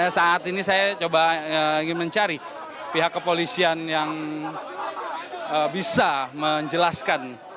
saat ini saya coba ingin mencari pihak kepolisian yang bisa menjelaskan